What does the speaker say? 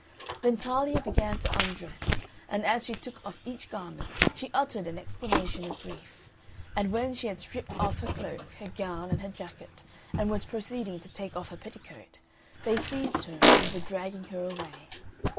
Then Talia began to undress, and as she took off each garment she uttered an exclamation of grief; and when she had stripped off her cloak, her gown, and her jacket, and was proceeding to take off her petticoat, they seized her and were dragging her away.